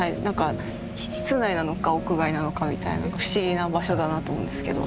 室内なのか屋外なのかみたいな不思議な場所だなと思うんですけど。